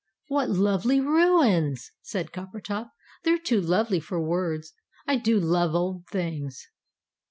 "What lovely ruins!" said Coppertop. "They're too lovely for words! I do love old things!"